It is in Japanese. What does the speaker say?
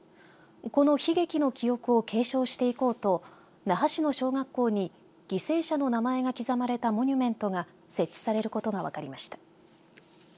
この悲劇の記憶を継承していこうと那覇市の小学校に犠牲者の名前が刻まれたモニュメントが設置されることが分かりました。